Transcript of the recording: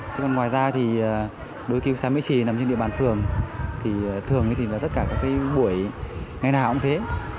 thế còn ngoài ra thì đối với ký túc xá mễ trì nằm trên địa bàn phường thì thường thì là tất cả các cái buổi ngày nào cũng thế